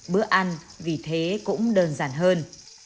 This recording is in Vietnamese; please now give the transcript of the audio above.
bữa ăn vì thế cũng đơn giản hơn